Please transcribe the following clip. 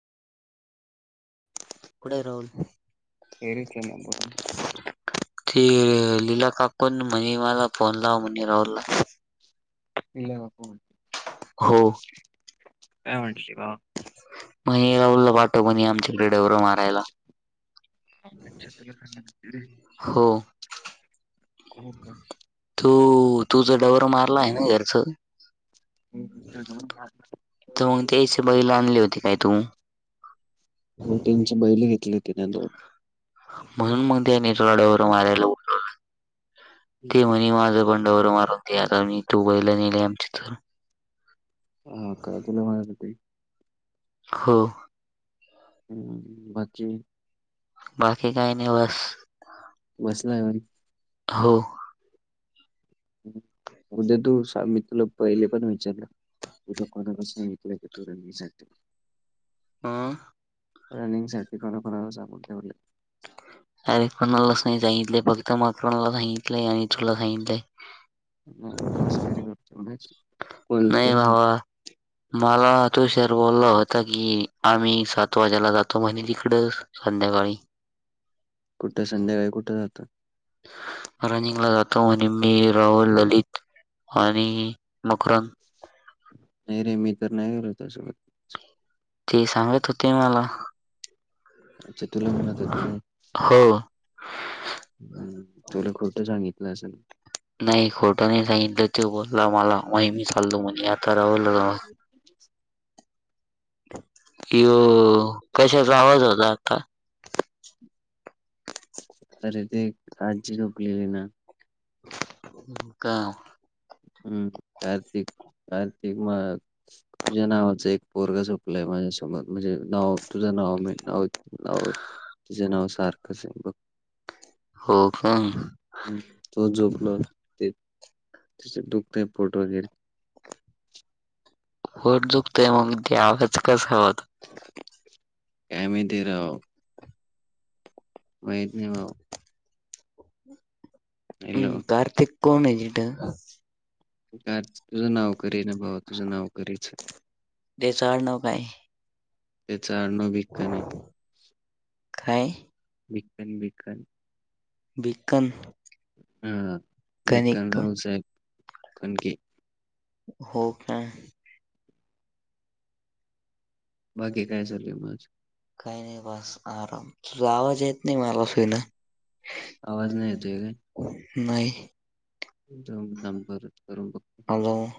पुढ राहुल एरीतलं नाही बोलून ती लीला काकण म्ह मला फोन लाव म्ह राहलला इला वाप हो का म्हणट श वा मग राहलला पाठव पण आमच्या क्रीडवर मारायला अच्छा तुला सांग हो हो का तू तुझं डवर मारला आहे ना घरचं तर मग त्याश बईला आणले होते काय तू बहिली घेतली तिने दोन म्हणून मग त्या नटड्यावर मारायला उ ते म्ह माझं पण मारून आताी दुबईला नेले आमच्या तर हा काय तुला म्हणा हो हम्म बाकीे बाकी काही नाही बस बसलाय वर हो उद्या तू मी तुला पहिले पण विचारलं एथ कणाश नाही य त त मी सते अं. रनिंग साठी कोरोकणा सग ठवले अरे कोणालाच नाही सांगितलंय फक्त मकरांला सांगितलंय आणि तुला सांगितलंय नाही तू मस्करी करते म्हच नाही बाबा मला तू श बोलला होता की आम्ही सात वाज्याला जातो म्हण तिकड संध्याकाळी कुठं संडे्याकाळी कुठं जातं रनिंग ला जातो आणि मी राहुल ललित आणि मकररंग नाही रे मी तर नाही गेलो हो त्या सोबत ते सांगत होते मला अच्छा तुला म्हणत होती ना हो ह तुला खोटं सांगितलं असं ना नाही खोटं नाही सांगितलं ते बोलला मला महिमी चाललो म्हण आता रावलं [inaudible] ईयो कशाचा आवाज होता आता. अरे ते कालची रोकलेली ना. हम् [inaudible] ह. हम्म कार्तिक कार्तिक तुझ्या नावाचं एक पोरग झोप झोपलय माझ्यासोबत म्हणजे नाव तुझं नाव मी नाव नाव, तुझं नाव सारखसे बग. हो का? हम्म, तो झोपला, ते त्याच दुखतय पोट वगैरे. होट दुखतंय मग आवाज कस काय होता. काय माहिती राव. माहित नाही भो. हम्म, हॅलो. कार्तिक कोणे तीट कार्तिक, तुझं नाव करे ना भावा तुझं नाव करीचे. त्याचा आडनाव काये, त्याचं आडनाव भिक्कन आहे काय. बिकन बिकन. बिकन. ह, बिकन कनिक गावचाय, कणके. हो का? बाकी काय चालू आहे मग काही नाही बस आराम, तुझा आवाज येत नाही मला सुईन. आवाज नाही येतोय नाही. दम दम परत करून बघतो. हॅलो.